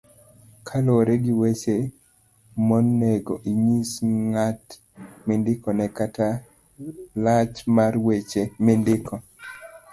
kaluwore gi weche monego inyis ng'at mindikone kata lach mar weche mindiko